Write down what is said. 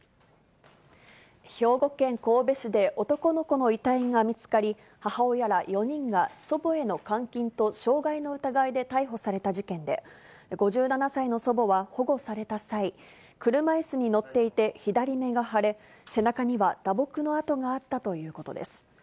兵庫県神戸市で男の子の遺体が見つかり、母親ら４人が祖母への監禁と傷害の疑いで逮捕された事件で、５７歳の祖母は保護された際、車いすに乗っていて左目が腫れ、背中には打撲の痕があったということです。